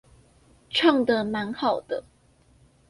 唱的蠻好的